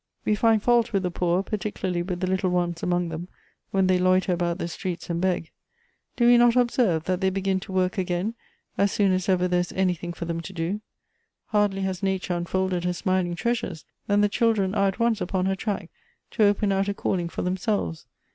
"We find fault with the poor, particularly with the little ones among them, when they loiter about the streets and beg. Do we not observe, that they begin to work again, as soon as ever there is anything for them to do ? Hardly has nature unfolded her smiling treasures, than the children are at once upon her track to open out a calling for themselves.